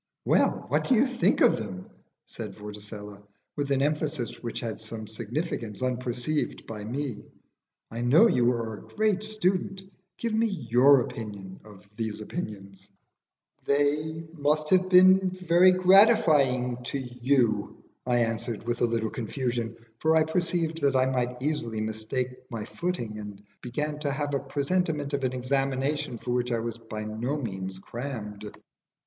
"Well, what do you think of them?" said Vorticella, with an emphasis which had some significance unperceived by me. "I know you are a great student. Give me your opinion of these opinions." "They must be very gratifying to you," I answered with a little confusion, for I perceived that I might easily mistake my footing, and I began to have a presentiment of an examination for which I was by no means crammed.